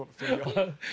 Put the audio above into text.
ハハハ！